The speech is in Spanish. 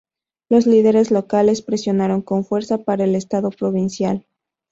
Los líderes locales presionaron con fuerza para el estado provincial.